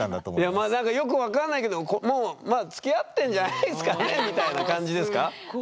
よく分からないけどもうまあつきあってんじゃないすかねみたいな感じですか？